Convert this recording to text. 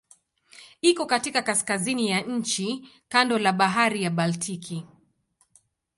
Iko katika kaskazini ya nchi kando la Bahari ya Baltiki.